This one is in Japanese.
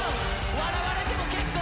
笑われても結構。